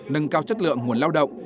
nâng cao chất lượng nguồn lao động